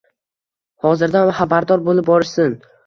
hozirdan habardor bo‘lib borishsin.